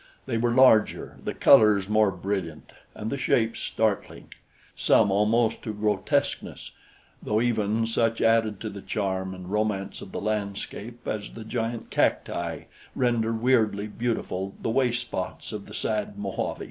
They were larger, the colors more brilliant and the shapes startling, some almost to grotesqueness, though even such added to the charm and romance of the landscape as the giant cacti render weirdly beautiful the waste spots of the sad Mohave.